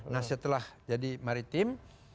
nah setelah jadi maritim